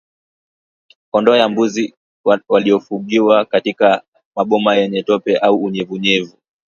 kondoo na mbuzi waliofungiwa katika maboma yenye tope au unyevunyevu